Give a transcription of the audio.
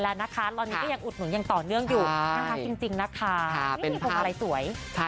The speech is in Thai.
อ๋อวันเกิดกันจุ๊บกันนะ